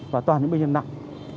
và toàn những bệnh nhân nặng